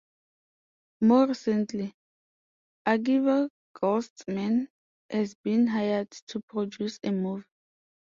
More recently, Akiva Goldsman has been hired to produce a movie.